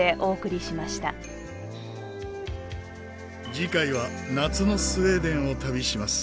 次回は夏のスウェーデンを旅します。